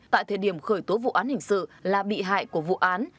tại thời điểm khởi tố vụ án hình sự là bị hại của vụ án